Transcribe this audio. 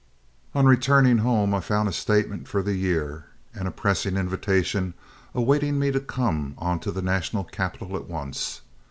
On returning home I found a statement for the year and a pressing invitation awaiting me to come on to the national capital at once.